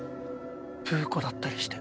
ブー子だったりして。